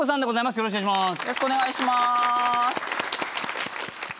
よろしくお願いします。